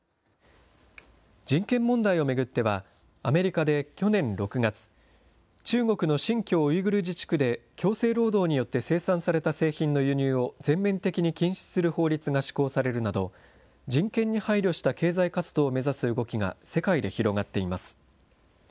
人権問題を巡っては、アメリカで去年６月、中国の新疆ウイグル自治区で強制労働によって生産された製品の輸入を全面的に禁止する法律が施行されるなど、人権に配慮した経済活動を目指す動きが世界で広がっています。